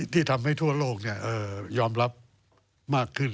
ที่ทำให้ทั่วโลกยอมรับมากขึ้น